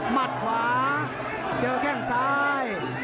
มัดขวาเจอแข้งซ้าย